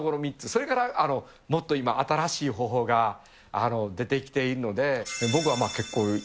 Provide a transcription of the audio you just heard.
それからもっと今、新しい方法が出てきているので。